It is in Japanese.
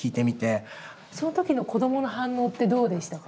その時の子どもの反応ってどうでしたか？